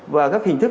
và các hình thức